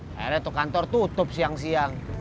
akhirnya kantor tutup siang siang